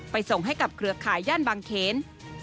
ส่งให้กับเครือข่ายย่านบางเขน